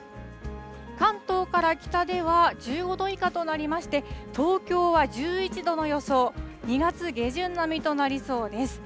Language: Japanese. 関東から北では、１５度以下となりまして、東京は１１度の予想、２月下旬並みとなりそうです。